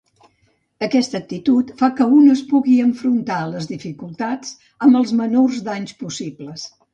Aquesta actitud fa que un es pugui enfrontar a les dificultats amb els menors danys possibles.